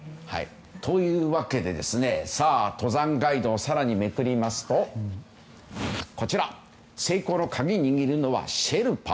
というわけで登山ガイドを更にめくりますと成功の鍵、握るのはシェルパ？